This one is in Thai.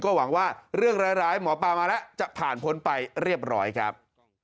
หวังว่าเรื่องร้ายหมอปลามาแล้วจะผ่านพ้นไปเรียบร้อยครับ